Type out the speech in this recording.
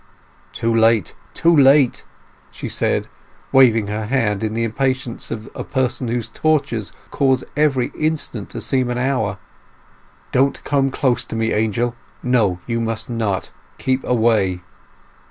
"Too late, too late!" she said, waving her hand in the impatience of a person whose tortures cause every instant to seem an hour. "Don't come close to me, Angel! No—you must not. Keep away."